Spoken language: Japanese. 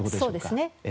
そうですね。